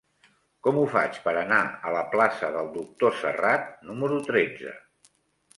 Com ho faig per anar a la plaça del Doctor Serrat número tretze?